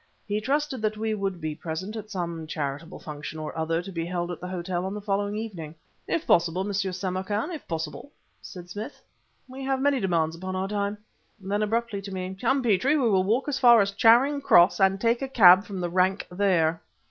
He trusted that we should be present at some charitable function or other to be held at the hotel on the following evening. "If possible, M. Samarkan if possible," said Smith. "We have many demands upon our time." Then, abruptly, to me: "Come, Petrie, we will walk as far as Charing Cross and take a cab from the rank there."